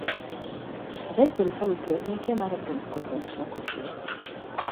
Az egykori falu környéke már a bronzkorban is lakott volt.